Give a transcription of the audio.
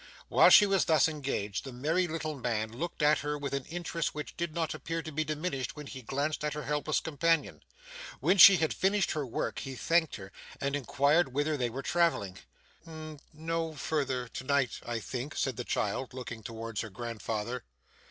While she was thus engaged, the merry little man looked at her with an interest which did not appear to be diminished when he glanced at her helpless companion. When she had finished her work he thanked her, and inquired whither they were travelling. 'N no further to night, I think,' said the child, looking towards her grandfather.